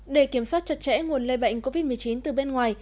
để kiểm soát chặt chẽ nguồn lây bệnh covid một mươi chín từ bên ngoài